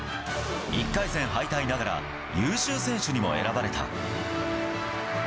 １回戦敗退ながら、優秀選手にも選ばれた。